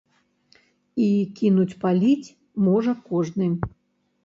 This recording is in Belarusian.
І кінуць паліць можа кожны.